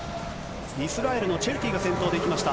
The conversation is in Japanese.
イスラエルのチェルティが先頭で来ました。